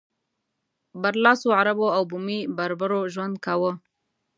برلاسو عربو او بومي بربرو ژوند کاوه.